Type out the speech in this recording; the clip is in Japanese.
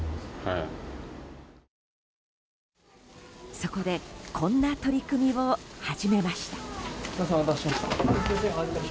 そこでこんな取り組みを始めました。